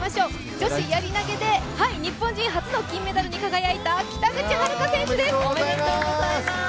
女子やり投で日本人初の金メダルに輝いた北口榛花選手です。